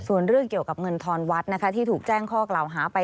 ส่วนเรื่องเกี่ยวกับเงินทอนวัดนะคะที่ถูกแจ้งข้อกล่าวหาไป